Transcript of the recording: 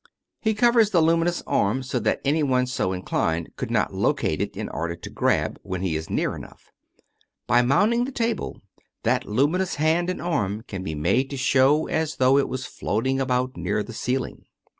He covers the luminous arm so that anyone so inclined could not locate it in order to *' grab " when he is near enough. By mounting the table, that luminous hand and arm can be made to show as though it was floating about near the ceiling.